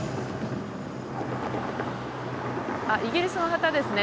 イギリスの旗ですね。